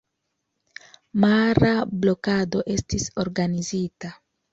Mara blokado estis organizita.